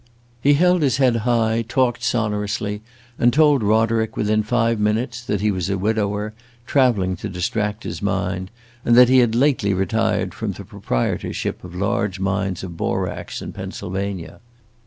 He held his head high, talked sonorously, and told Roderick, within five minutes, that he was a widower, traveling to distract his mind, and that he had lately retired from the proprietorship of large mines of borax in Pennsylvania.